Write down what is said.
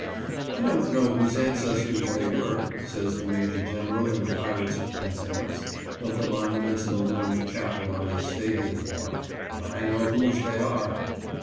"I don't know whose ancestors they were," says the Major General in the Pirates of Penzance, of the monuments in the ruined chapel on the estate he has bought, "but I know whose they are."